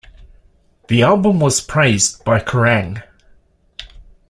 The album was praised by Kerrang!